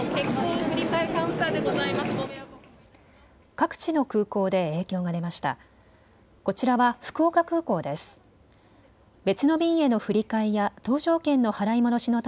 各地の空港で影響が出ました。